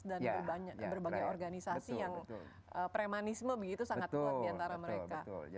dan berbagai organisasi yang premanisme begitu sangat kuat diantara mereka